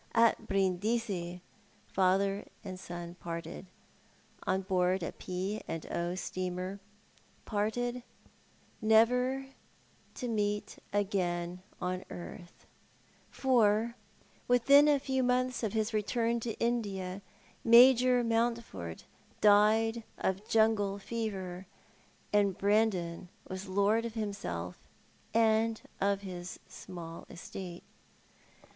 At Brindisi father and son parted, on board a P. and 0. steamer, parted never to meet again on earth, for within a few months of his return to India Major Mountford died of jungle fever, and Brandon was lord of himself and of his small estate.